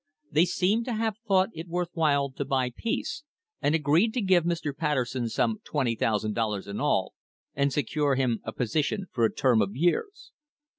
* They seem to have thought it worth while to buy peace, and agreed to give Mr. Patterson some $20,000 in all, and secure him a position for a term of years.